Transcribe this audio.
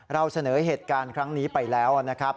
เราเสนอเหตุการณ์ครั้งนี้ไปแล้วนะครับ